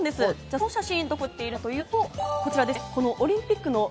その写真、どこで撮っているのかというと、こちらです。